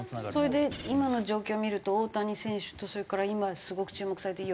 それで今の状況見ると大谷選手とそれから今すごく注目されてる吉田選手